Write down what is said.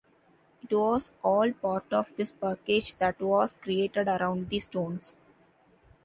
It was all part of this package that was created around the Stones.